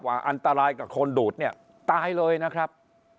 อันตรายกับคนดูดเนี่ยตายเลยนะครับ